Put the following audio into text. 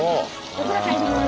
お風呂入ります。